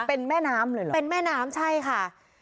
เป็นแม่น้ำเลยเหรอเป็นแม่น้ำใช่ค่ะ